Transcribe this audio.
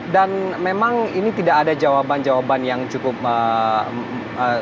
dan memang ini tidak ada jawaban jawaban yang cukup makeup